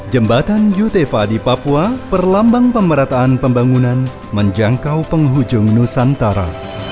jembatan yutefa di papua perlambang pemerataan pembangunan menjangkau penghujung nusantara